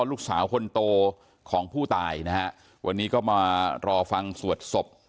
ลูกสาวคนโตของผู้ตายนะฮะวันนี้ก็มารอฟังสวดศพ